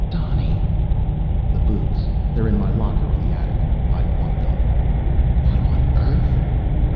"Donny!" "The boots, they're in my locker in the attic. I want them." "What on earth!"